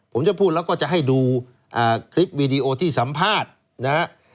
ผมจะพูดแล้วจะให้ดูคลิปวิดีโอที่สัมภาษน์